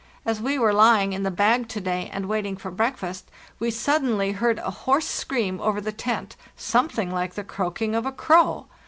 As we were lying in the bag to day and waiting for breakfast we suddenly heard a hoarse scream over the tent—something like the croaking of a crow.